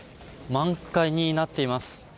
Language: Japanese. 満開になっています。